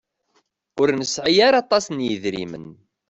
Ur nesɛi ara aṭas n yidrimen.